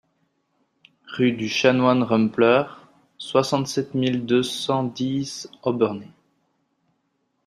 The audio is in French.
Rue du Chanoine Rumpler, soixante-sept mille deux cent dix Obernai